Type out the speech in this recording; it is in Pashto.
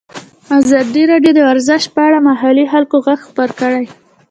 ازادي راډیو د ورزش په اړه د محلي خلکو غږ خپور کړی.